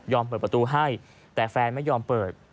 เปิดประตูให้แต่แฟนไม่ยอมเปิด